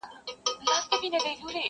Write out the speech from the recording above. یار له جهان سره سیالي کوومه ښه کوومه